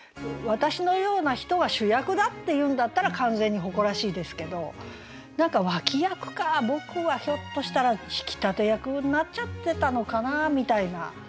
「わたしのような人は主役だ」って言うんだったら完全に誇らしいですけど何か「脇役か僕はひょっとしたら引き立て役になっちゃってたのかな」みたいな。